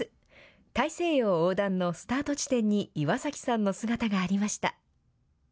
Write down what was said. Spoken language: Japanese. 大西洋横断のスタート地点に岩崎さんの姿がありました。